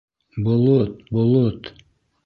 — Болот, болот!